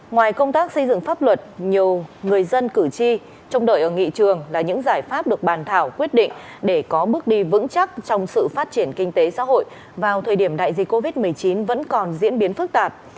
ngoài công tác xây dựng pháp luật nhiều người dân cử tri trông đợi ở nghị trường là những giải pháp được bàn thảo quyết định để có bước đi vững chắc trong sự phát triển kinh tế xã hội vào thời điểm đại dịch covid một mươi chín vẫn còn diễn biến phức tạp